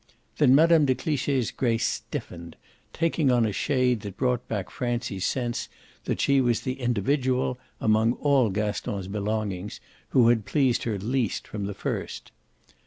Then Mme. de Cliche's grace stiffened, taking on a shade that brought back Francie's sense that she was the individual, among all Gaston's belongings, who had pleased her least from the first.